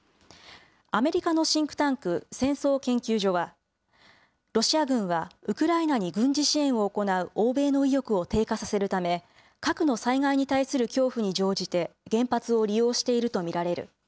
アメリカのシンクタンク、戦争研究所は、ロシア軍はウクライナに軍事支援を行う欧米の意欲を低下させるため、核の災害に対する恐怖に乗じて原発を利用していると見られる。